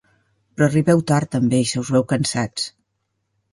Però arribeu tard també i se us veu cansats.